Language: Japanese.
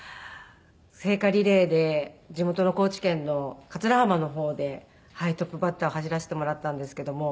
聖火リレーで地元の高知県の桂浜の方でトップバッターを走らしてもらったんですけども。